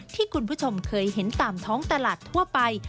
ที่คุณผู้ชมเคยเห็นตามท้องตลาดทั่วไป